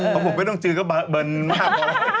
ผมก็ไม่ต้องจืนก็เบิร์นมาก